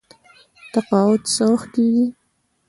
تقاعد څه وخت کیږي؟